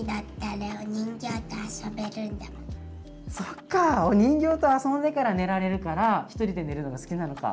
そっかお人形と遊んでから寝られるからひとりで寝るのが好きなのか。